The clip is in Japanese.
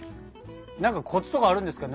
何かコツとかあるんですか？